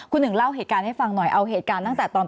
คุณหนึ่งเล่าเหตุการณ์ให้ฟังหน่อยเอาเหตุการณ์ตั้งแต่ตอน